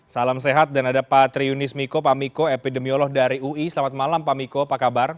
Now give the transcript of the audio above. salam sehat dan ada pak triunis miko pak miko epidemiolog dari ui selamat malam pak miko apa kabar